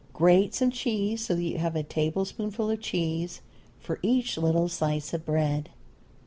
Grate some cheese so that you have a tablespoonful of cheese for each little slice of bread.